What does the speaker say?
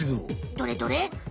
どれどれ。